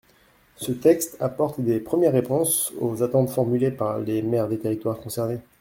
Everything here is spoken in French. Ce texte apporte des premières réponses aux attentes formulées par les maires des territoires concernés.